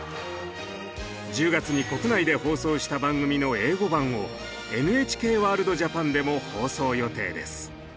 １０月に国内で放送した番組の英語版を「ＮＨＫワールドＪＡＰＡＮ」でも放送予定です。